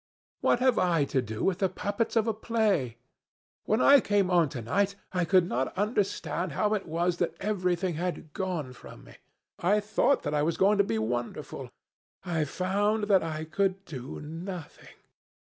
What have I to do with the puppets of a play? When I came on to night, I could not understand how it was that everything had gone from me. I thought that I was going to be wonderful. I found that I could do nothing.